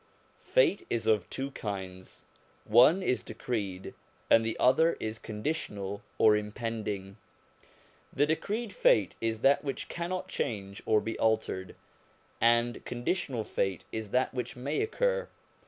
Fate is of two kinds : one is decreed, and the other is conditional or impending. The decreed fate is that which cannot change or be altered, and conditional fate is that which may occur.